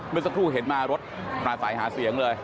เมื่อสักครู่เห็นมารถปราศัยหาเสียงเลย